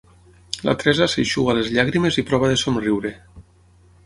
La Teresa s'eixuga les llàgrimes i prova de somriure.